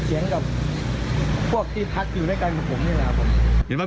เล็งเราเลยเหรอเล็งตัวเอง